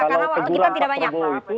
kalau keguran pak prabowo itu